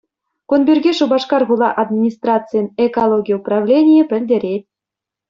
Кун пирки Шупашкар хула администрацийӗн экологи управленийӗ пӗлтерет.